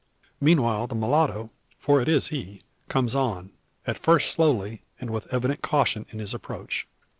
Meanwhile the mulatto for it is he comes on; at first slowly, and with evident caution in his approach.